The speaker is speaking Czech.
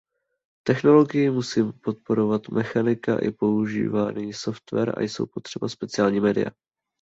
Technologii musí podporovat mechanika i používaný software a jsou potřeba speciální média.